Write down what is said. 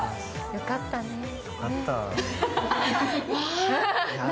よかったね。